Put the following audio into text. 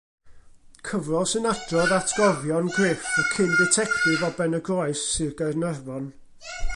Cyfrol sy'n adrodd atgofion Griff, y cyn ditectif o Benygroes, Sir Gaernarfon.